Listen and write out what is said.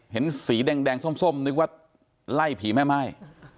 เห็นสีแดงส้มนึกว่าไล่ผีแม่ม่าย